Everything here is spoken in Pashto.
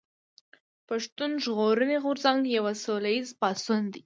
پښتون ژغورني غورځنګ يو سوله ايز پاڅون دي